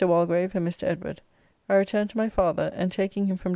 ] with Mr. Walgrave and Mr. Edward, I returned to my father, and taking him from W.